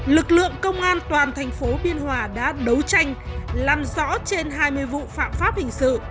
lực lượng công an toàn thành phố biên hòa đã đấu tranh làm rõ trên hai mươi vụ phạm pháp hình sự